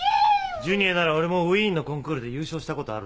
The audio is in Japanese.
ジュニアなら俺もウィーンのコンクールで優勝したことあるんだよな。